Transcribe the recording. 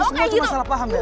ini semua cuma salah paham bel